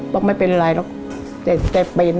บอกไม่เป็นไรเราก็เจ็บเจ็บเป็น